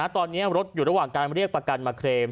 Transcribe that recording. ตอนนี้รถอยู่ระหว่างการเรียกประกันมาเคลม